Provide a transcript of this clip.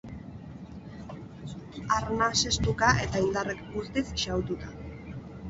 Arnasestuka eta indarrak guztiz xahututa.